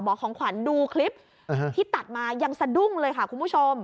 ของขวัญดูคลิปที่ตัดมายังสะดุ้งเลยค่ะคุณผู้ชม